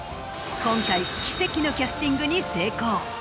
今回奇跡のキャスティングに成功。